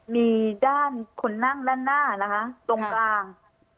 มีด้านคนนั่งด้านหน้านะคะตรงกลาง